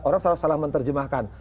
orang salah salah menerjemahkan